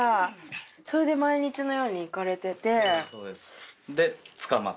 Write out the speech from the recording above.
それで毎日のように行かれてて。